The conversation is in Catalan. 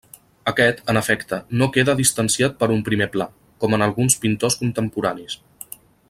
Aquest en efecte no queda distanciat per un primer pla, com en alguns pintors contemporanis.